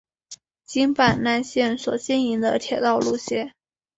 京阪奈线所经营的铁道路线。